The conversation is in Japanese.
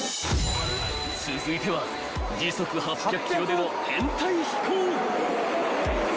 ［続いては時速８００キロでの編隊飛行］